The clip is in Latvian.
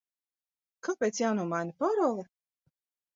Kāpēc jānomaina parole?